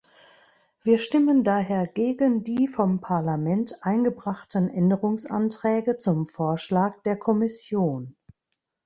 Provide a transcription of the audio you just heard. Wir stimmen daher gegen die vom Parlament eingebrachten Änderungsanträge zum Vorschlag der Kommission.